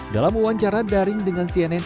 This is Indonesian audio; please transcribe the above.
dalam wawancara daring dengan cnn